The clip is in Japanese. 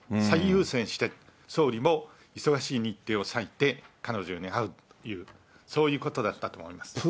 最優先して、総理も忙しい日程を割いて彼女に会うという、そういうことだったと思います。